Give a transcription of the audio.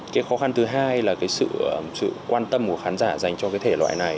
cái khó khăn thứ hai là sự quan tâm của khán giả dành cho thể loại này